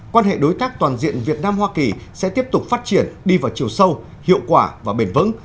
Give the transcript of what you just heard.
quan hệ đối tác toàn diện việt nam hoa kỳ sẽ tiếp tục phát triển đi vào chiều sâu hiệu quả và bền vững